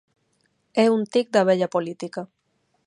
É un tic da vella política.